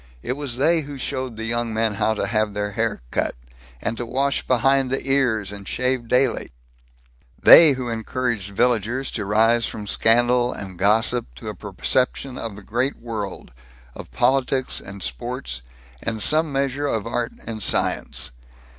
It was they who showed the young men how to have their hair cut and to wash behind the ears and shave daily; they who encouraged villagers to rise from scandal and gossip to a perception of the Great World, of politics and sports, and some measure of art and science.